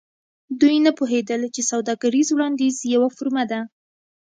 دوی نه پوهیدل چې سوداګریز وړاندیز یوه فورمه ده